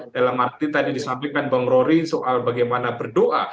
dalam arti tadi disampaikan bang rory soal bagaimana berdoa